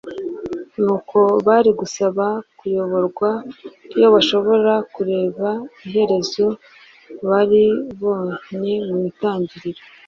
nuko bari gusaba kuyoborwa iyo bashobora kureba iherezo bariboncye mu itangiriro,